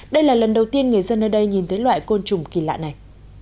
đây là lần đầu tiên người dân ở đây nhìn thấy loại côn trùng kỳ lạ này